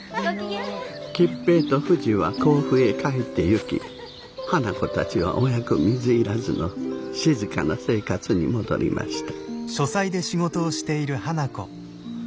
吉平とふじは甲府へ帰っていき花子たちは親子水入らずの静かな生活に戻りました。